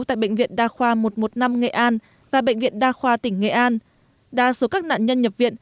tại bệnh viện đa khoa một trăm một mươi năm nghệ an và bệnh viện đa khoa tỉnh nghệ an đa số các nạn nhân nhập viện